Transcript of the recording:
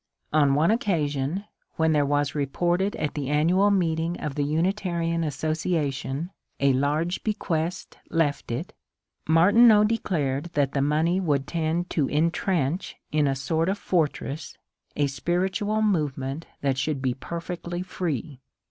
On one occasion, when there was reported at the annual meeting of the Unitarian Association a large bequest left it, Martineau declared that the money would tend to entrench in a sort of fortress a spiritual movement that should be perfectly free.